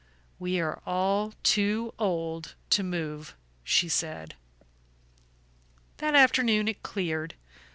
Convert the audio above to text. "We are all too old to move," she said. That afternoon it cleared.